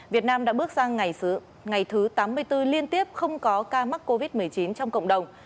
việt nam đã bước sang ngày thứ tám mươi bốn liên tiếp không có ca mắc covid một mươi chín trong cộng đồng